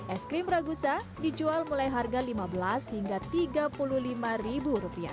es krim ragusa dijual mulai harga lima belas hingga tiga puluh lima ribu rupiah